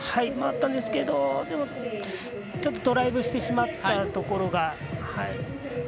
回ったんですが、ちょっとドライブしてしまったところが。